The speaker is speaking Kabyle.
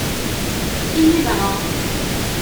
Ihi dɣa!